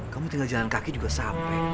kamu tinggal jalan kaki juga sampai